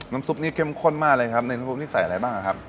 ซุปนี้เข้มข้นมากเลยครับในน้ำซุปนี่ใส่อะไรบ้างครับ